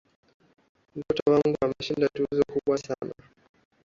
Mtoto wangu ameshinda tuzo kubwa sana.